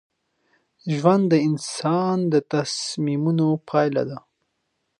ژوند د انسان د تصمیمونو پایله ده.